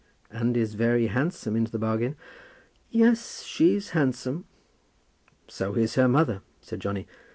"And is very handsome into the bargain." "Yes; she's handsome." "So is her mother," said Johnny.